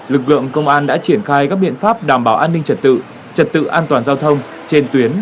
lực lượng công an đã triển khai các biện pháp đảm bảo an ninh trật tự trật tự an toàn giao thông trên tuyến